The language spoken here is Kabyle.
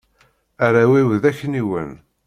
Arraw-iw d akniwen.